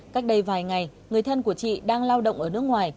cách đây vài ngày người thân của chị đang lao động ở nước ngoài